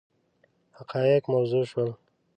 حقایق موضح شول.